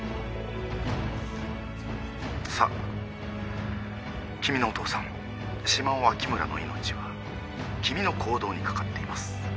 さあ君のお父さん島尾明村の命は君の行動に懸かっています。